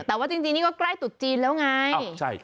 แต่ว่าจริงนี่ก็ใกล้ตุดจีนแล้วไง